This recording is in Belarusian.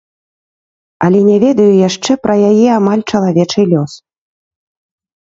Але не ведаю яшчэ пра яе амаль чалавечы лёс.